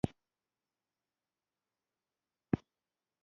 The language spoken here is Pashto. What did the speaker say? ایا زه یخې اوبه څښلی شم؟